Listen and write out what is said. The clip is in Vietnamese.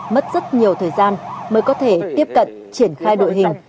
mất rất nhiều thời gian mới có thể tiếp cận triển khai đội hình